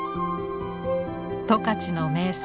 十勝の名産